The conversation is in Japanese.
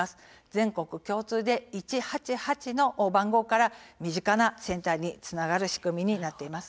全国共通で１８８の番号から身近なセンターにつながる仕組みになっています。